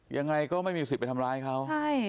ยังไงก็ไม่มีสิทธิ์ไปทำร้ายเขา